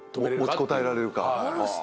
持ちこたえられるか。